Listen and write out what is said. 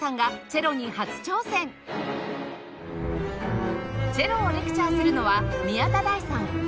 チェロをレクチャーするのは宮田大さん